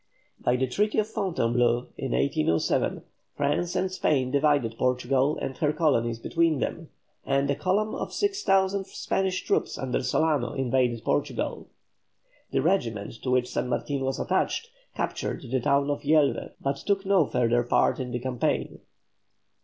By the Treaty of Fontainebleau, in 1807, France and Spain divided Portugal and her colonies between them, and a column of 6,000 Spanish troops under Solano invaded Portugal. The regiment to which San Martin was attached, captured the town of Yelves, but took no further part in the campaign.